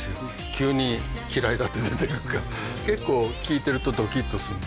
急に「嫌いだ」って出てくるから結構聴いてるとドキっとする。